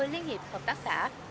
một mươi liên hiệp hợp tác xã